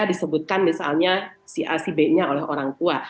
disebutkan misalnya si a si b nya oleh orang tua